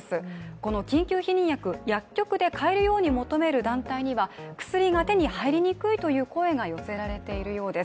この緊急避妊薬、薬局で買えるように求める団体には、薬が手に入りにくいという声が寄せられているようです。